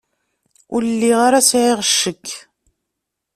Ur lliɣ ara sɛiɣ ccekk.